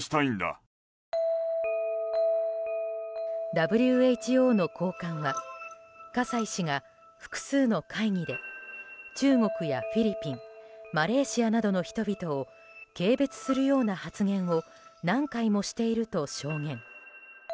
ＷＨＯの高官は葛西氏が複数の会議で中国やフィリピンマレーシアなどの人々を軽蔑するような発言を何回もしていると証言。